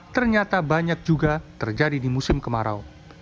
ternyata banyak juga terjadi di musim kemarau